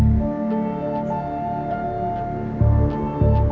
bagaimana cara pemerintah memperbaiki sistem transportasi publik